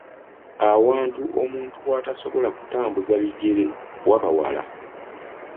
Awantu omuntu w’atasobola kutambuza bigere waba wala.